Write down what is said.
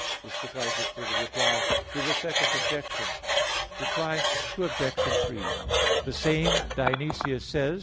This suffices for the Reply to the Second Objection. Reply Obj. 3: The same Dionysius says (Div.